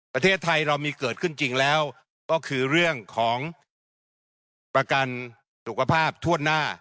ประเทศไทยเรามีเกิดขึ้นจริงแล้วก็คือเรื่องของประกันสุขภาพทั่วหน้า